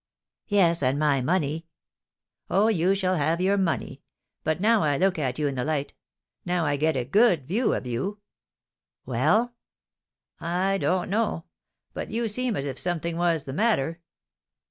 "Yes, and my money?" "Oh, you shall have your money. But now I look at you in the light now I get a good view of you " "Well?" "I don't know but you seem as if something was the matter."